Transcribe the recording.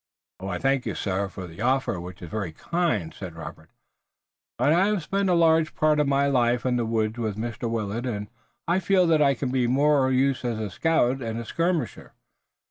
"I thank you, sir, for the offer, which is very kind," said Robert, "but I have spent a large part of my life in the woods with Mr. Willet, and I feel that I can be of more use as a scout and skirmisher.